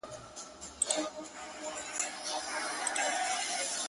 په یوه او بل نامه یې وو بللی-